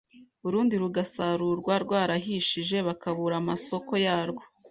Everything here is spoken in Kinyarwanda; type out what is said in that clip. urundi rugasarurwa rwarahishije bakabura amasoko yarwo.